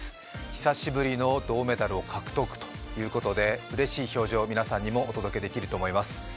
久しぶりの銅メダルを獲得ということでうれしい表情を皆さんにもお届けできると思います。